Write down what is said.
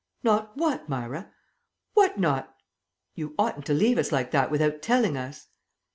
"Not what, Myra? What not " "You oughtn't to leave us like that without telling us."